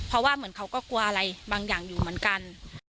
เพราะว่าเหมือนเขาก็กลัวอะไรบางอย่างอยู่เหมือนกัน